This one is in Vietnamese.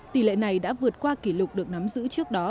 tỷ lệ này đã vượt qua kỷ lục được nắm giữ trước đó